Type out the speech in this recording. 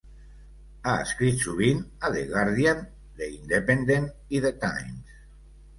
Ha escrit sovint a "The Guardian", "The Independent" i "The Times".